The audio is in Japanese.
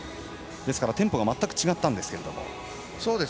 ですから、テンポが全く違ったんですけれども。